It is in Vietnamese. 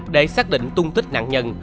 để xác định tung tích nạn nhân